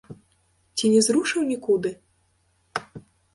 Ці не зрушыў нікуды?